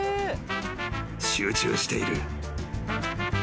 ［集中している］